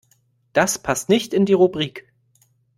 Das passt nicht in die Rubrik.